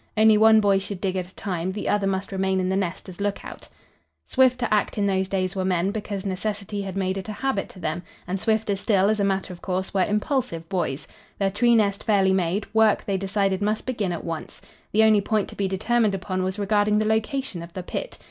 Only one boy should dig at a time, the other must remain in the nest as a lookout. Swift to act in those days were men, because necessity had made it a habit to them, and swifter still, as a matter of course, were impulsive boys. Their tree nest fairly made, work, they decided, must begin at once. The only point to be determined upon was regarding the location of the pit.